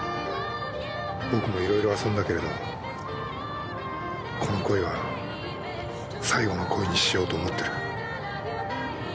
僕もいろいろ遊んだけれどこの恋は最後の恋にしようと思ってる。